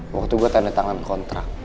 waktu gue tanda tangan kontrak